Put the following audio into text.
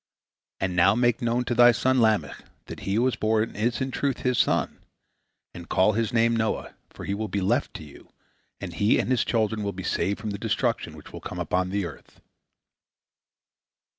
And now make known to thy son Lamech that he who was born is in truth his son, and call his name Noah, for he will be left to you, and he and his children will be saved from the destruction which will come upon the earth."